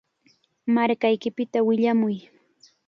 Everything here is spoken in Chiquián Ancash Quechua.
Markaypita willamuy.